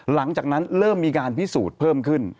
หลังจากนั้นเริ่มมีการพิสูจน์เพิ่มขึ้น